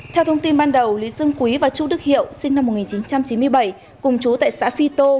theo thông tin ban đầu lý dương quý và chu đức hiệu sinh năm một nghìn chín trăm chín mươi bảy cùng chú tại xã phi tô